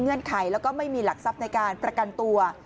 ไขแล้วก็ไม่มีหลักทรัพย์ในการประกันตัว